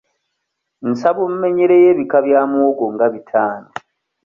Nsaba ommenyereyo ebika bya muwogo nga bitaano.